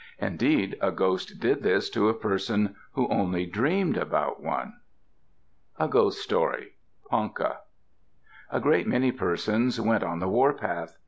Indeed, a ghost did this to a person who only dreamed about one. A GHOST STORY Ponca A great many persons went on the warpath.